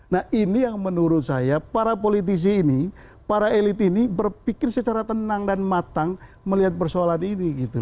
nah ini yang menurut saya para politisi ini para elit ini berpikir secara tenang dan matang melihat persoalan ini gitu